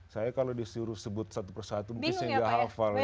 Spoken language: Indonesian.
saya kalau disuruh sebut satu persatu mungkin saya nggak hafal